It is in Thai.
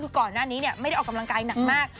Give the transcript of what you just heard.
คือก่อนหน้านี้ไม่ได้ออกกำลังกายหนักมาก